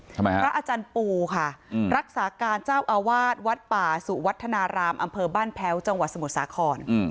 ทำไมฮะพระอาจารย์ปูค่ะรักษาการเจ้าอาวาสวัดป่าสุวัฒนารามอำเภอบ้านแพ้วจังหวัดสมุทรสาคร